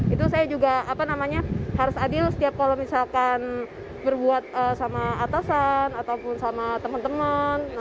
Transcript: itu saya juga harus adil setiap kalau misalkan berbuat sama atasan ataupun sama teman teman